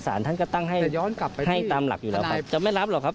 สารท่านก็ตั้งให้ตามหลักอยู่แล้วจะไม่รับหรอกครับ